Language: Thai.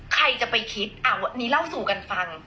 ใครจะไปคิดวันนี้เล่าสู่กันฟัง